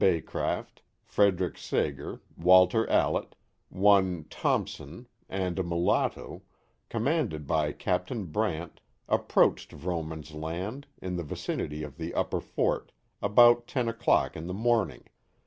Beacraft, Frederick Sager, Walter Allet, one Thomp son, and a mulatto, commanded by Capt. Brant, approached Vroo man's land, in the vicinity of the upper fort, about 10 o'clock in the morninor.